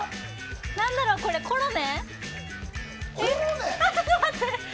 なんだろう、これコロネ。